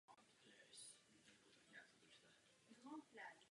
Celkem byla plánována stavba pěti křižníků této třídy.